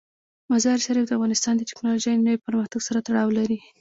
مزارشریف د افغانستان د تکنالوژۍ له نوي پرمختګ سره تړاو لري.